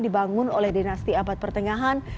dibangun oleh dinasti abad pertengahan